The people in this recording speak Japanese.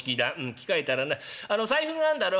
着替えたらな財布があんだろ？